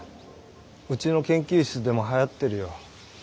うちの研究室でもはやってるよ。